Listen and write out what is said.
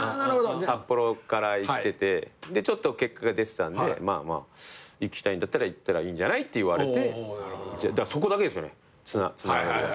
札幌から行っててちょっと結果が出てたんで「行きたいんだったら行ったらいいんじゃない？」って言われてそこだけですよねつながりは。